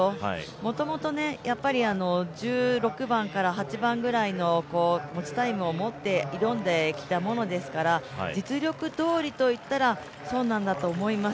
もともとね、やっぱり１６番から１８番ぐらいの持ちタイムを持って挑んできたものですから、実力通りといったら、そうなんだと思います。